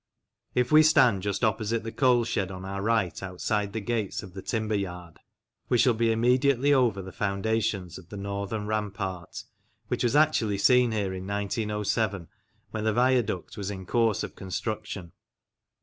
If we stand just opposite the coal shed on our right outside the gates of the timber yard, we shall be immediately over the foundations of the northern rampart, which was actually seen here in 1907 when the viaduct was in course of construction.